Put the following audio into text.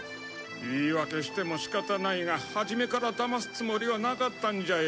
言い訳しても仕方ないが初めからだますつもりはなかったんじゃよ。